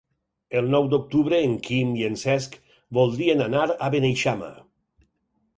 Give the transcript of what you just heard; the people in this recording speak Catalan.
El nou d'octubre en Quim i en Cesc voldrien anar a Beneixama.